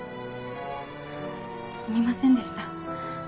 すみませんでした。